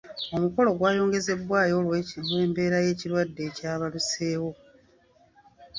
Omukolo gwayongezebwayo olw’embeera y’ekirwadde ekyabalukawo.